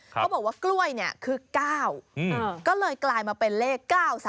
เขาบอกว่ากล้วยเนี่ยคือ๙ก็เลยกลายมาเป็นเลข๙๓